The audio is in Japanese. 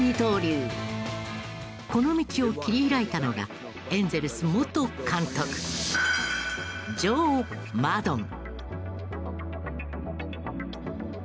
この道を切り開いたのがエンゼルス元監督ジョー・マドン。